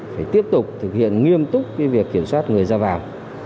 phải tiếp tục thực hiện nghiêm túc việc kiểm soát người ra vào